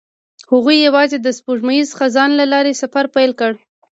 هغوی یوځای د سپوږمیز خزان له لارې سفر پیل کړ.